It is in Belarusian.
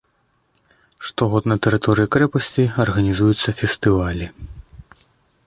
Штогод на тэрыторыі крэпасці арганізуюцца фестывалі.